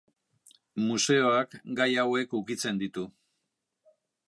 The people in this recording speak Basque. Museoak gai hauek ukitzen ditu.